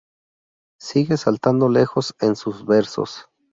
Sigue saltando lejos en sus versos.